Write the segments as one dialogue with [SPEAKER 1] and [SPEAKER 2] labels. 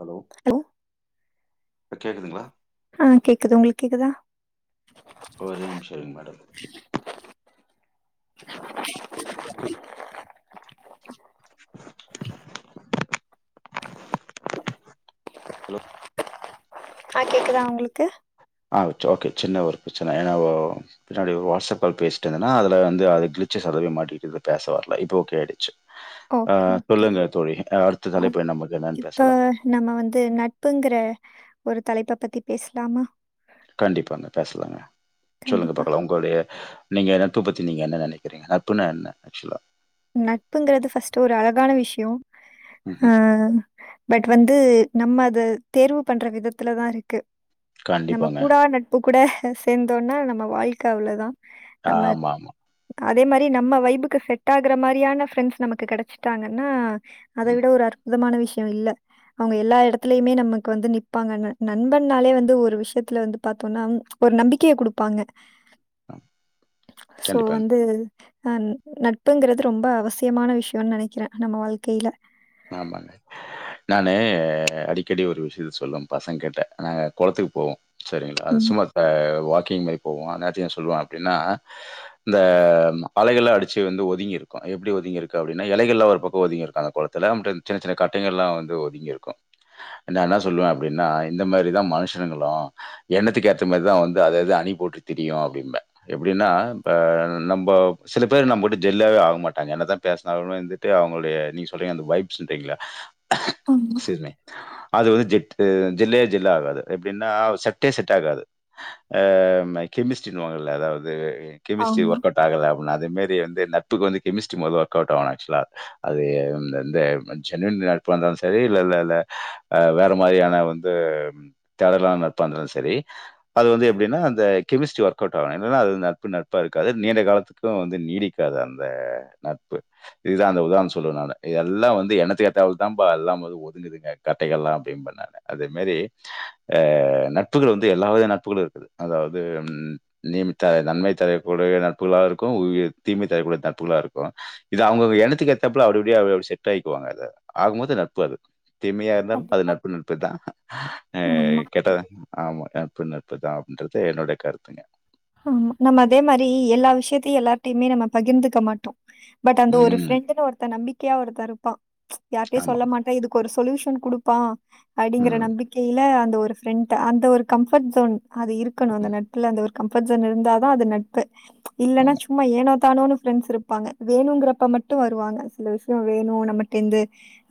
[SPEAKER 1] Hello இப்ப கேக்குதுங்களா
[SPEAKER 2] ஆஹ் கேக்குது உங்களுக்கு கேக்குதா
[SPEAKER 1] ஒரே நிமிஷம் இருங்க மேடம் ஹலோ
[SPEAKER 2] ஆஹ் கேக்குதா உங்களுக்கு
[SPEAKER 1] ஆ வச்சு ஓகே சின்ன ஒரு பிரச்சன ஏனா ஓ பின்னாடி ஒரு வாட்ஸ்அப் கால் பேசிட்டுருந்தேன்னா அதல வந்து அது கிளிச்சஸ் அதல மாட்டிக்கிட்டு பேச வரல இப்போ ஓகே ஆகிடுச்சு
[SPEAKER 2] ஓகே ஓகே
[SPEAKER 1] அடுத்த தலைப்பு நமக்கு என்னன்னு
[SPEAKER 2] இப்போ
[SPEAKER 1] பேசலாம்
[SPEAKER 2] நம்ம வந்து நட்புங்கற ஒரு தலைப்ப பத்தி பேசலாமா
[SPEAKER 1] கண்டிப்பாங்க பேசலாங்க சொல்லுங்க
[SPEAKER 2] கண்டிப்பா
[SPEAKER 1] பாக்கலாம் உங்களுடைய நீங்க நட்பு பத்தி நீங்க என்ன நினைக்கிறீங்க நட்புன்னா என்ன ஆக்சுவலா
[SPEAKER 2] நட்புங்கிறது ஃபர்ஸ்ட்ட் ஒரு அழகான விஷயம்
[SPEAKER 1] ம்
[SPEAKER 2] ஆஹ் பட் வந்து நம்ம அது தேர்வு பண்ற விதத்துல தான் இருக்கு நம
[SPEAKER 1] கண்டிப்பாங்க
[SPEAKER 2] கூட நட்பு கூட சேர்ந்தோனா நம்ம வாழ்க்க அவ்ளோதான்
[SPEAKER 1] ஆமா ஆமா
[SPEAKER 2] அதே மாரி நம்ம வைபுக்கு செட் ட்டாகுற மாரியான ஃப்ரெண்ட்ஸ் நமக்கு கிடச்சிட்டாங்கன்னா அத
[SPEAKER 1] ம்
[SPEAKER 2] விட ஒரு அற்புதமான விஷயம் விஷயம் இல்ல அவங்க எல்லா இடத்துலயுமே நமக்கு வந்து நிப்பாங்க நண்பன்னாலே வந்து ஒரு விஷயத்துல வந்து பாார்த்தோம்னா ஒரு நம்பிக்கையை குடுப்பாங்க
[SPEAKER 1] ஆ,
[SPEAKER 2] சோ
[SPEAKER 1] கண்டிப்பாங்க
[SPEAKER 2] வந்து ஆஹ் நட்பு ப்பங்கிறது ரொம்ப அவசியமான விஷயம்னு நினைக்கிறேன் நம்ம வாழ்க்கையில
[SPEAKER 1] ஆமாங்க நானு அடிக்கடி ஒரு விஷயத்த சொல்லுவேன் பசங்க கிட்ட நாங்க குளத்துக்கு போவோம் சேரிங்களா அது
[SPEAKER 2] ம்.
[SPEAKER 1] சும்மா ஆ வா க்கிங் மாரி போவோ அந்நேரத்துக் என்ன சொல்லுவோ அப்டினா இந்த அலைகள அடிச்சு வந்து ஒதுங்கி இருக்கு எப்டி ஒதுங்கி இருக்கு அப்டின்னா எலைகள்லா ஒரு பக்கொ ஒதுங்கி இருக்கு அந்த கொளத் துல ட்டு சின்ன சின்ன கட்டைங்கள்லா வந்து ஒதுங்கி இருக்கு நா என்ன சொல்லுவ அப்டின்னா இந்த மாரிதா மனுஷங்களு எண்ணத்துக்கு ஏத்த மாரிதா வந்து அது அது அணி போட்டு திரியு அப்டிம்ப எப்டின்னா இப்ப நம்போ சில பேர் நம்மட்ட ஜெல்லாவே ஆகமாட்டாங்க என்னதா பேஸ்னால்மே வந்துட்டு அவ்ங்களுடைய நீங் சொல்றீங்க அந்த வைப்ஸ்ன்ரீங்களே
[SPEAKER 2] ஆமா.
[SPEAKER 1] [unintelligible] அது வந் ஜெட்டு ஜெல்லே ஜெல் ஆகாது எப்டின்னா செட்டே செட் ஆகாது ஆ ம கெமிஸ்ட்ரின்னுவாங்கல்ல அதாவ்து அ கெமிஸ்ட்ரி
[SPEAKER 2] ஆமா.
[SPEAKER 1] வர்கவ்ட் ஆகல அதேமேரி வந்து நட்புக்கு வந்து கெமிஸ்ட்ரி மொதொ ஒர்க் அவுட் ஆக்சுலா அது இத வந்து ஜென்யூன் நட்பா இருந்தாலு செரி இல்லல்லல்ல ஆ வேற மாரியான வந்து ம் தேடலான நட்பாருந்தாலு செரி அது வந்து எப்டின்னா அந்த கெமிஸ்ட்ரி ஒர்க் அவுட் ஆகணு இல்லனா அது நட்பு நட்பா இருக்காது நீண்ட காலத்துக்கு வந்து நீடிக்காது அந்த நட்பு இதுதா அந்த உதார்ணொ சொல்லுவ நானு எல்லா வந்து எனத்துக்கு ஏத்தாபுல்தா பா எல்லா வந்து ஒதுங்குதுங்க கட்டைகள்லா [unintelligible] நானு அதே மாரி ஆ நட்புகள் வந்து எல்லாவித நட்புகளு இருக்குது அதாவ்து ம் நீமத்தாய் நன்மை தரக்கூடிய நட்புகளாவு இருக்கு ம் தீமை தரக்கூடிய தட்புகளா இருக்கு இது அவுங்க எனத்துக்கு ஏத்தாப்ல அப்டி இப்படியா செட் ஆய்க்குவாங்க அத ஆகா மொத்தொ நட்பு அது தீமையா இருந்தாலு அது
[SPEAKER 2] கண்டிப்பா.
[SPEAKER 1] நட்பு நட்புதா
[SPEAKER 2] ஆமா.
[SPEAKER 1] கெட்டத ஆமா நட்பு நட்புதா அப்டின்றதா என்னோட கருத்துங்க
[SPEAKER 2] ஆமா நம்ம அதே மாரி எல்லா விஷயத்தையு எல்லார்ட்டையுமே நம்ம பகிர்ந்துக்க மாட்டோ பட் அந்த ஒரு
[SPEAKER 1] ம்.
[SPEAKER 2] ஃப்ரெண்டுனு ஒருத்த நம்பி க்கையா ஒருத்த இருப்பா யார்ட்டையு
[SPEAKER 1] ஆமா.
[SPEAKER 2] சொல்ல மாட்டோ இது க்கொரு சொல்யூஷன் குடுப்பா அடிங்கிற
[SPEAKER 1] ம்.
[SPEAKER 2] நம்பிக்கைல ஒரு ஃப்ரெண்ட் அந்த ஒரு கம்ஃபர்ட் சோன் அது இருக்கணும் அந்த
[SPEAKER 1] ம்.
[SPEAKER 2] நட்புல அந்த ஒரு கம்ஃபோர்ட்ஜோன் இருந்தாதான் அது நட்பு இல்லென்னா
[SPEAKER 1] ஆமா.
[SPEAKER 2] சும்மா ஏனோ தானோன்னு ஃப்ரண்ட்ஸ் இருப்பாங்க வேணுங்கிறப்ப மட்டு வருவாங்க சில விஷய வேணு நம்மடேருந்து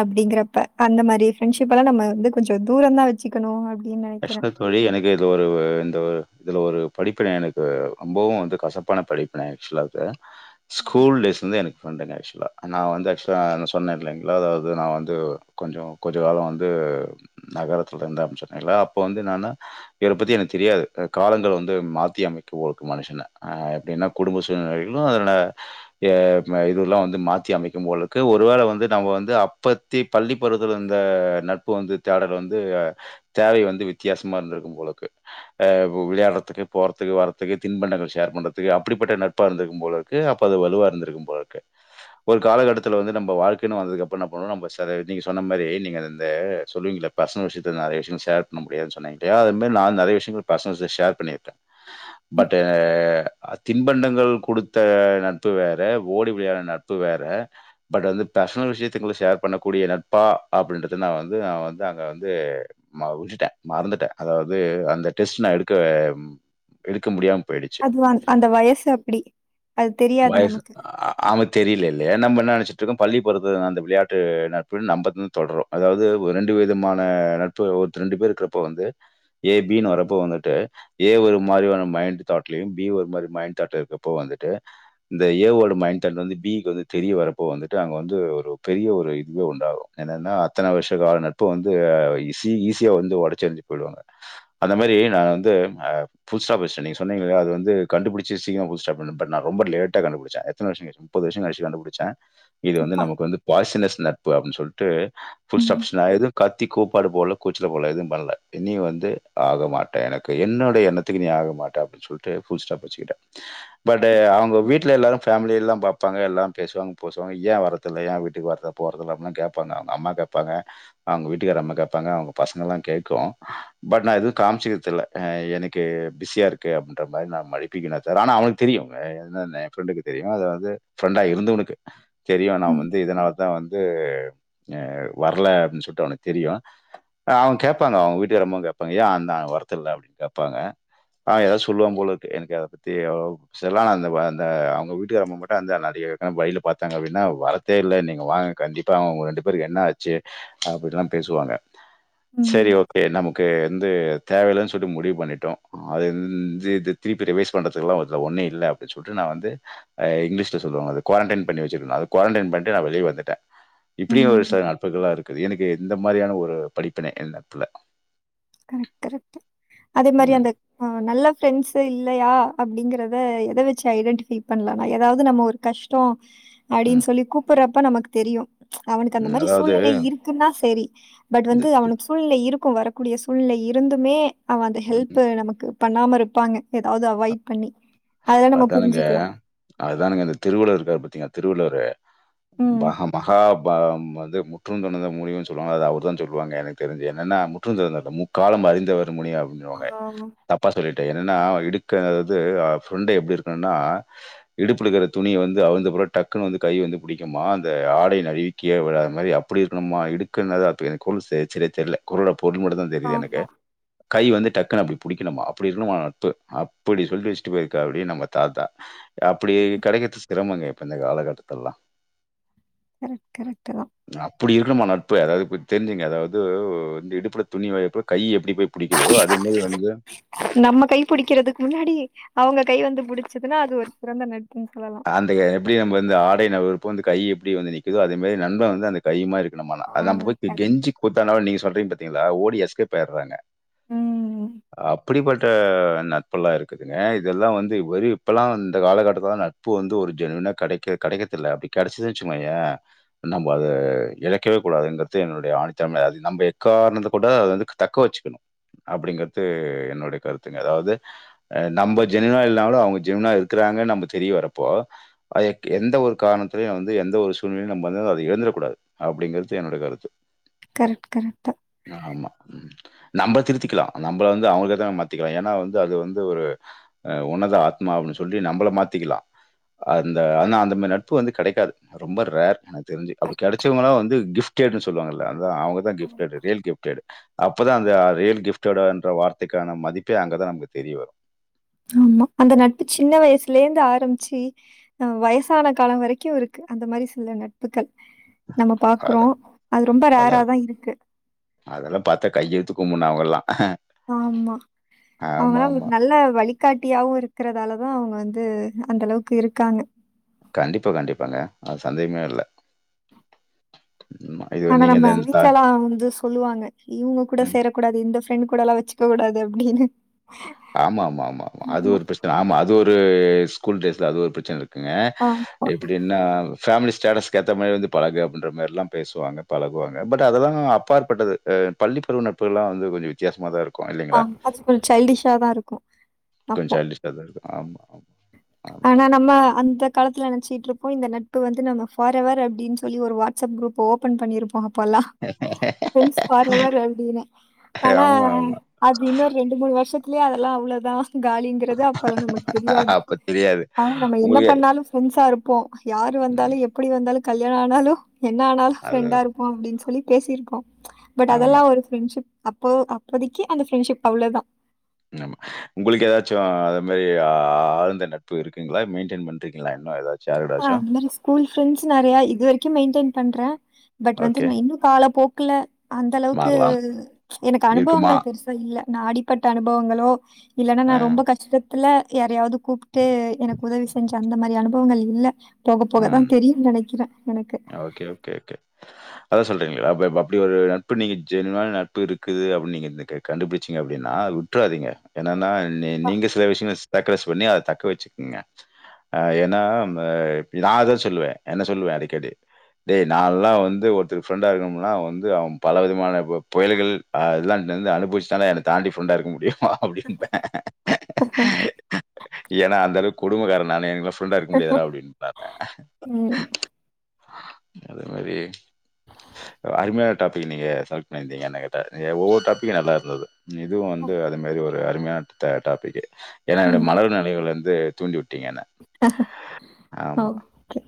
[SPEAKER 2] அப்டிங்கறப்ப அந்த மாரி பிரண்ட்ஷிப்ப எல்லா நம்ம வந்து கொஞ்ச தூரந்தா வச்சிக்கணு அப்
[SPEAKER 1] அஷ்கத் தோழி எனக்கு இது ஒரு இந்த ஒரு இதில் ஒரு படிப்பின எனக்கு அம்போவு வந்து கசப்பான படிப்பின ஆக்சுலா அதே ஸ்கூல் டேஸ்லந்து எனக் ஃப்ரெண்டுங்க ஆக்சுவலா அன் நா வந்து ஆக்சுவலா அந்த சொன்னே இல்லேங்களா அதாவது நா வந்து கொஞ்சோ கொஞ்ச காலம் வந்து நகரத்தில்ல இருந்தே அ இல்லா அப்போ வந்து நானு இவர பத்தி எனக்கு தெரியாது அ காலங்கள் வந்து மாத்தி அமைக்கு ஒரு மனுஷன அ எப்டின்னா குடும்ப சூழ்நிலைகளும் அதுல யப் ம இதுல்லா வந்து மாத்தி அமைக்கு போலுருக்கு ஒருவேள வந்து நம்ம வந்து அப்பத்தி பள்ளி பருவத்துல வந்த நட்பு வந்து தேடல் வந்து அ தேவை வந்து வித்தியாசமா இருந்திருக்கும் போல இருக்கு அ வ் வு விளையாடுறதுக்கு போறதுக்கு வர்றத்துக்கு தின்பண்டங்கள் ஷேர் பண்றதுக்கு அப்டிப்பட்ட நட்பா இருந்துருக்கு போல இருக்கு அப்ப அது வலுவா இருந்திருக்கும் போல இருக்கு ஒரு காலகட்டத்தில்ல வந்து நம்ம வாழ்க்கைன்னு வந்துக்கு அப்றோ என்ன பண்ணுணோ நம்ம சதே நீங்க சொன்ன மாறி நீங்க இந்த சொல்லுவீங்களே பர்ஷனல் விஷயத்த நெறைய விஷயங்க ஷேர் பண்ண முடியாதுன்னு சொன்னேன் இல்லையா அது மாதிரி நா நிறைய விஷயங்கள் பர்சனல்ஸ் ஷேர் பண்ணிருக்கே பட்டு ஆ தின்பண்டங்கள் கொடுத்த நட்பு வேற ஓடி விளயாட நட்பு வேற பட் அது பர்சனல் விஷயத்த உள்ள ஷேர் பண்ணக்கூடிய நட்பா அப்டின்றது நா வந்து நா வந்து அங்க வந்து நா விட்டுட்டே மறந்துட்டே அதாவது அந்த டெஸ்ட் நா எடுக்க ம் எடுக்க முடியாம போயிடுச்சு.
[SPEAKER 2] அதுவான் அந்த வயசு அப்டி அது தெரியாது நமக்கு
[SPEAKER 1] தெரிய்ல இல்லயா நம்ம என்ன நெனச்சிட்ருக்கோ பள்ளி பருத்து அந்த விளையாட்டு நட்பு நம்பத் தொடரு அதாவ்து ஒ ரெண்டு விதமான நட் பு ஒர்த்த ரெண்டு பேரு இருக்குறப்போ வந்து ஏ பி னு வரப்போ வந்துட்டு ஏ ஒரு மாறிவான மைண்ட் தாட்லயும் பி ஒரு மாறி மைண்ட் தாட் இருக்கப்போ வந்துட்டு இந்த ஏ ஓட மைண்ட் தாட் வந்து பி க்கு வந்து தெரிய வரப்போ வந்துட்டு அங்க வந்து ஒரு பெரிய ஒரு இதுவே உண்டாகு என்னன்னா அத்தன வர்ஷக்கால நட்பு வந்து ஆ இ ஈஸியா வந்து ஒடச்சி எரிஞ்சிட்டு போயிடுவாக அந்த மாறி நா வந்து அ ஃபுல் ஸ்டாப் வெச்சிட நீங்க சொன்னங்க இல்லாயா அது வந்து கண்டுபிடிச்சி சீக்ரோ புது ஸ்டார்ட் பண் பண்ணாரோ ரொம்ப லேட்டா கண்டுபிடிச்ச எத்தன வருஷோ கழிச்சி முப்பது வருஷோ கழிச்சி கண்டுபிடிச்ச இது வந்து
[SPEAKER 2] அப்பா
[SPEAKER 1] நமக்கு வந்து பாய்சினஸ் நப் புவா அப்டின் சொல்ட் ஃபுல் ஸ்டாப்
[SPEAKER 2] ம்
[SPEAKER 1] நா எதும் கத்திகூப் பாடு போல கூச்சில போலது எதுவு பண்ணல நீ வந்து ஆகமாட்ட எனக்கு என்னோடைய எண்ணத்துக்கு நீ ஆக மாட்ட அப்டின்னு சொல்லிட்டு ஃபுல் ஸ்டாப் வெச்சிட்ட பட்டே அவங்க வீட்டில் எல்லோரு ஃபேமி எல்லா பாப்பாங்க எல்லா பேசுவாங்க போசுவாங்க ஏ வரதில்ல ஏ வீட்டுக்கு வரத போறதுலாம அப்படின்னா கேட்பாங்க அவங்க அம்மா கேட்பாங்க அவங்க வீட்டுக்கார அம்மா கேப் ப்பாக அவுங்க பசங்கலா கேக்கோ பட் நா எதுவு காம்ச்சிக்கறது இல்ல எனக்கு பிஸியா இருக்கு அப்டின்ற மாரி நான் மழுப்பிக்க த ஆனா அவனுக்கு தெரியு என்னன்னு ஃப்ரெண்டுக்கு தெரியு அது வந்து ஃபரெண்டா இருந்தவனுக்கு தெரியும் நா
[SPEAKER 2] ம்
[SPEAKER 1] வந்து இதனாலத் தா வந்து னவ் வரல அப்டின்னு சொல்லிட்டு அவனுக்கு தெரியும் அவங்க கேப்பாங்க அவங்க விட்டுக்கார அம்மா கேப்பாங்க ஏயா அந்தா வரத்து இல்ல அப்டின் கேப்பாங்க ஆ ஏதாவது சொல்லுவா போல இருக்கே எனக் அத பத்தி அவ்வளவா செல்லா அந்த அந்த அவங்க வீட்டுக்கார அம்மா போட்ட அந்த நடிகைகான வழியில பாத்தாங்க அப்டின்னா வரத்தே இல்ல நீங்க வாங்க கண்டிப்பா அவங்கங்க ரெண்டு பேரு என்னா ஆச்சி அப்டிலா பேசுவாங்க சேரி
[SPEAKER 2] ம்
[SPEAKER 1] ஓகே நம்முப் கே என்து தேவயில்லன் சொல்ட்டு முடிவு பண்ணடோ அது இந்தி இது ந்தி த் த்ரிபே ரிவைஸ் பண்றதுக்குலா ஒருக்க ஒன்னே இல்ல அப்டி சொல்ட்டு நா வந்து ஐய் இங்கிலீஷ்ல சொல்லுவாங்க அது க்வோரன்டைன் பண்ணி வெச்சிருந்தா அத க்வாரண்டைன் பண்ணிட்டு நா வெளிய வந்துட்ட இப்டியும் ஒரு
[SPEAKER 2] ம்
[SPEAKER 1] சில நட்புகளா இருக்கு எனக்கேது இந்த மாரியான ஒரு [unintelligible]
[SPEAKER 2] கரெக்ட் கரெட்டு அதே மாரி
[SPEAKER 1] ம்,
[SPEAKER 2] அந்த ஹா நல்லப் ஃப்ரெண்ட்ஸு இல்லையா அப்டீங்கிறத எத வெச்சி ஐடென்டிஃபை பண்ணலான்னா ஏதாவது நம்ம ஒரு கஷ்டோ அடின்னு
[SPEAKER 1] ம்,
[SPEAKER 2] சொல்லி கூப்றப் அப்ப நமக்கு தெரியு அவனுக்கு அந்த
[SPEAKER 1] ம்.
[SPEAKER 2] மாறி
[SPEAKER 1] அதாவது
[SPEAKER 2] சூழ்நிலை இருக்குன்னா சேரி பட்
[SPEAKER 1] இந்த
[SPEAKER 2] வந்து அவனுக்கு சூழ்நிலை இருப் குவாரப் கூடிய சூழ்ல இருந்துமே அவ அந்த
[SPEAKER 1] ம்,
[SPEAKER 2] ஹெல்ப்
[SPEAKER 1] ம்.
[SPEAKER 2] நமக்கு பண்ணாம இருப்பாங்க ஏதாவது அவாய்ட் பண்ணி அதெல்லா நம்ம
[SPEAKER 1] அதானுங்க
[SPEAKER 2] புரிஞ்சுக்கலா
[SPEAKER 1] அததானுங்க இந்த திருவளூர் இருக்காரு பாத்தீங்களா திருவள்ளுவரு
[SPEAKER 2] ம்
[SPEAKER 1] பகம் மகா பாம் வந்து முற்றும் தொடர்ந்தவர் முடி சொல்லுவாங்க அது அவர் தானு சொல்லுவாங்க எனக்கு தெரிஞ்சு என்னன்ன முற்றுந் தொரந்தவர் முக்காலம் அறிந்தவர் முனியா அப்டினுவாங்க
[SPEAKER 2] ஆமா
[SPEAKER 1] தப்பா சொல்லிட் என்னன்னா இடுக்கன் அதாவது ஃப்ரெண்டு எப்டி இருக்கணுன்னா இடுப்புல இருக்குற துணி வந்து அவிழ்ந்து புரோ டக்குன்னு வந்து கை வந்து புடிக்குமா அந்த ஆடை நழுவி கீழ விழாத மாரி அப்டி இருக்கணுமா இடுக்கு நல் அதா அப் எனக்கு குறளு சரியா தெர்யல குறள பொருள் மட்டுதா தெரியுது எனக்கு
[SPEAKER 2] ஆமா
[SPEAKER 1] கை வந்து டக்ன்னு அப்டி புடிக்கணுமா அப்டி இருக்கணுமா நட்பு அப்டி சொல்லி [unintelligible] நம்ம தாத்தா அப்டி கிடைக்கறது திறமங்க இப்போ இந்த காலகட்டதுலலா
[SPEAKER 2] கரெக்ட் கரெக்ட் தா
[SPEAKER 1] ப்டி இருக்கணுமா நட்பு அதாது தெரிஞ்சுக்ங்க அதாவது வந்து இடுப்புல துணி விழகுறப கை எப்படி போய் பிடிக்குதோ, அதேமாரி வந்து
[SPEAKER 2] நம்ம கைப்புடிக்கிறதுக்கு முன்னாடி அவுங்க கை வந்து புடுச்சதுன்னா அது ஒரு சிறந்த நட்பு
[SPEAKER 1] ஆந்தய எப்டி நம்ம வந்து ஆ நவுர்ரப்ப அந்த கை எப்டி வந்து நிக்குதோ அதே மாரி நண்பே வந்து அந்த கை மாரி நம்ப நா
[SPEAKER 2] ஆ
[SPEAKER 1] அது நம் போய்
[SPEAKER 2] கரெக்ட்
[SPEAKER 1] கெஞ்சி கூத்தான்னாகூட நீங்க சொல்ற ங்களா ஓடி எஸ்கப் ஆயிடுறாங்க
[SPEAKER 2] ம்
[SPEAKER 1] அப்படிப்பட் நட்பெல்லா இருக்குதுங்க இதெல்லா வந்து இப்ப வெறு இப்பல்லா வந் காலகட்டதுல ந இப்ப வந்து ஒரு ஜெனீனா கெடைக்க கிடைக்றதல்ல அப்டி கெடச்சுச்சுச்சுனா வச்சுங்கோயே நம்ம அது இழக்கவே கூடாதுங்கிறது என்னோட ஆணித்தன்மை அ நம்ம எக்காரணத்த கூட அத வந்து தக்க வச்சுக்கணு அப்டிங்கறது என்னோட கருத்துங்க அதாவது நம்ம ஜெனீனா இல்லாமாலு அவங்க ஜெனீனா இருக்றாங்கனு நம்ம தெரிய வரப்போ இப்போ எந்த ஒரு காரணத்துலையு வந்து எந்த ஒரு சூழ்நிலையு நம்ம வந்து அத எழந்துறக் கூடாது அப்டிங்கிறது என்னோடய கருத்து
[SPEAKER 2] கரெக்ட் கரெக்டா
[SPEAKER 1] ஆமா நம்ம திருத்திக்கலா நம்ம வந்து அவங்களுக்காக மாத்திக்கிறோ ஏன்னா வந்து அது வந்து ஒரு உன்னத ஆத்மா அப்டின்னு சொல்லி நம்பள மாத்திக்கலா அந்த ஆனா அந்த மாரி நட்பு வந்து கெடைக்காது ரொம்ப ரேர் எனக்கு தெரிஞ்சு அப்டி கெடச்சவங்களா வந்து கிப்டடுன்னு சொல்லுவாங்கல்ல அது அவுங்கதா கிப்டடு அப்பதா அந்த ரியல் கிப்டடு என்ற வார்த்தைக்கான மதிப்பே அங்கதா நமக்கு தெரிய வரு
[SPEAKER 2] ஆம்மா அந்த நட்பு சின்ன வயசுலேருந்து ஆரம்பிச்சு அ வயசான காலோ வரக்கு இருக்கு அந்த மாரி சில நட்புக்கள் நம்ம பாக்குறோ
[SPEAKER 1] அதான்
[SPEAKER 2] அது ரொம்ப
[SPEAKER 1] அதான்
[SPEAKER 2] ரேராதா இருக்கு
[SPEAKER 1] அஹ
[SPEAKER 2] ஆமா அவங்கல்லா நமக் ஒரு நல்ல வழி காட்டியாவு இருக்கறதாலதா அவுங்க வந்து அந்த அளவுக்கு இருக்காங்க
[SPEAKER 1] கண்டிப்பா கண்டிப்பாங்க அது சந்தேகமே இல்ல ம். இது
[SPEAKER 2] ஆனா
[SPEAKER 1] நீங்க
[SPEAKER 2] நம்ம
[SPEAKER 1] இந்த த
[SPEAKER 2] வீட்லல்லாம் வந்து சொல்லுவாங்க இவங்க கூட
[SPEAKER 1] ம்.
[SPEAKER 2] சேரக்கூடாது இந்த ஃ ப்ரெண்ட் கூடலா வெச்சிக்கக் கூடாது அப்டின்னு
[SPEAKER 1] ஆம்மா ம்மா ம்மாம் அது
[SPEAKER 2] ஆமா
[SPEAKER 1] ஒரு பிரஸ்ன ஆம்மா அது ஒரு ஸ்கூல்டேஸ்ல அது ஒரு பிரச்சன இருக் குங்க
[SPEAKER 2] ஆமா
[SPEAKER 1] எப்டின்னா ஃபேம்லி ஸ்டேட்டஸ்கு ஏத்த மாரி வந்து பழகு அப்டின்ற மேரிலா பேசுவாங்க பழகுவாங்க பட் அதெல்லா அப்பாற்பட்டது ஆஹ் பள்ளி பருவ நட்புகல்லா வந்து கொஞ்சோ வித்தியாசமாதா இருக்
[SPEAKER 2] ஆஹ் அது ஃபுல் சைல்டிஸ் சாதான் இருக்கும் அப்போ.
[SPEAKER 1] கொஞ்சைல்டிஸ்டாதா ஆம்மா ம்மா
[SPEAKER 2] ஆனா நம்ம அந்த காலத்துல நெனச்சிற்று இருப்போம் இந்த நட்பு வந்து நம்ம ஃபாரவர் அப்டின் சொல்லி ஒரு வாட்ஸ்அப் குரூப் ஓப்பன் பண்ணிருப் போக போலா ஃப்ரெண்ஸ் ஃபாரவர் அப்டின்னு ஆனா
[SPEAKER 1] ஆமா, ஆமா.
[SPEAKER 2] அது இன்னொரு ரெண்டு மூணு வருஷத் திலேயெ அதலா அவ்ளோதா காலிங்கிறத அப்பல்லா நமக் தெரியாது
[SPEAKER 1] அப்ப தெரியாது.
[SPEAKER 2] ஆ நம்ம என்ன
[SPEAKER 1] உங்களுக்கு
[SPEAKER 2] பண்ணாலு ஃபிரண்ட்ஸ் சா இருப்போ யாரு வந்தாலு
[SPEAKER 1] ம்.
[SPEAKER 2] எப்புடி வந்தாலு கல்யாண ஆனாலு என்ன ஆனாலு
[SPEAKER 1] அது
[SPEAKER 2] ஃப்ரெண்டா இருப்போ அப்டின்னு சொல் லி பேசிருக்கோ பட்
[SPEAKER 1] ஆமா,
[SPEAKER 2] அதெல்லா ஒரு ஃப்ரெண்ட்ஷிப் அப்போ அப்போதிக்கி அந்த ஃப்ரெண்ட்ஷிப் அவ்ளோதா
[SPEAKER 1] ஆமா உங்களுக்கு ஏதாச்சு அத மேரி ஆஹ் ஆழ்ந்த நட்பு இருக்குங்களா மெயின்டைன் பண்ரிங்களா இன்னும் எதாது
[SPEAKER 2] ஆஹ் அது மேரி ஸ்கூல் ஃப்ரெண்ட்ஸ் நறையா இது வரிக்கு மெயின்டையின் பண்ட்றன் பட் வந்து
[SPEAKER 1] ஓகே.
[SPEAKER 2] நா இன்னு கால போக் க்குல அந்தளவுக்கு
[SPEAKER 1] மாறலாம்.
[SPEAKER 2] எனக்கு
[SPEAKER 1] இருக்குமா?
[SPEAKER 2] அனுபவங்கள் பெருசா இல்ல நா அடிப்பட்ட அனுபவங்களோ இல்லன்னா நா
[SPEAKER 1] அ,
[SPEAKER 2] ரொம்ப கஷ்டத் துல யாரையாவுது கூப்ட்டு எனக் உதவி செஞ்ச அந்த மாரி அனுபவங்கள் இல்ல போக போகத்தா
[SPEAKER 1] ம்.
[SPEAKER 2] தெரியு நனைக்கிறே எனக்கு
[SPEAKER 1] அதா சொல்ட்றீங்களா பப் அப்டி ஒரு நட்பு நீங்க ஜெனியுனான நட்பு இருக்குது அப்டின் நீங்க இந்த க கண்டுபுடிச்சீங்க அப்டின்னா அத உட்றாதீங்க என்னன்னா நீ-நீங்க சில விஷயங்கள் ஸ் சேக்ரஸ் பண்ணி அத தக்க வச்சுக்குங்க அ ஏன்னா நா அததா சொல்லுவே என்ன சொல்லுவே அடக்கடி டேய் நாலா வந்து ஒருத்தர் ஃப்ரெண்டா இருக்கணும்னா அவ வந்து அவ பல விதமான பொ புயல்கள் அதெல்லா நல்லா அனுபவிச்சனா என்ன தாண்டி ஃப்ரெண்டா இருக்க முடியு அப்டின்பே ஏன்னா அந்த அளவுக்கு குடும்பகாரனானேங் [unintelligible] ஃபிரண்டா இருக்க முடியாதுடா அப்டினு
[SPEAKER 2] ம்.
[SPEAKER 1] [unintelligible] அதே மாரி அருமையான டாபிக் நீங்க செலேக்ட் பண்ணியிருந்தீங்க என்னகேட்டா ஒவ்வொரு டாப்பிக்கு நல்லா இருந்தது இதுவு வந்து அது மாரி ஒரு ஒரு அருமையான டா டாப்பிக்கு ஏனா எனக்கு
[SPEAKER 2] ம்.
[SPEAKER 1] மலரும் நெனைவுகள் வந் து தூண்டிவுட் ட்டீங்க என்ன ஆமா
[SPEAKER 2] ஓகே,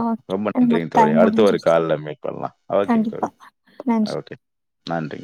[SPEAKER 2] ஓகே.
[SPEAKER 1] ரொம்ப
[SPEAKER 2] நமக்கு
[SPEAKER 1] நன்றிங்க தோழி
[SPEAKER 2] டைம்
[SPEAKER 1] அடுத்த ஒரு
[SPEAKER 2] முடிஞ்சிருச்சு.
[SPEAKER 1] கால்ல மீட் பண்லா ஓகேங்க
[SPEAKER 2] கண்டிப்பா.
[SPEAKER 1] தோழி
[SPEAKER 2] நன்றி.
[SPEAKER 1] ஓகே நன்றி